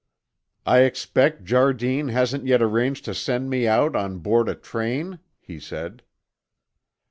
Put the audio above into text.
"I expect Jardine hasn't yet arranged to send me out on board a train?" he said.